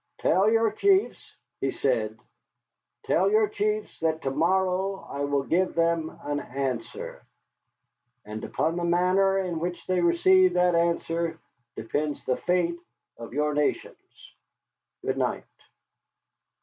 "Tell your chiefs," he said, "tell your chiefs that to morrow I will give them an answer. And upon the manner in which they receive that answer depends the fate of your nations. Good night."